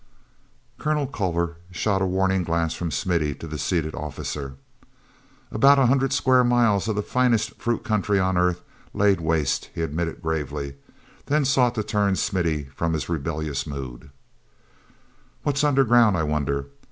Colonel Culver shot a warning glance from Smithy to the seated officer. "About a hundred square miles of the finest fruit country on earth laid waste," he admitted gravely; then sought to turn Smithy from his rebellious mood: "What's underground, I wonder?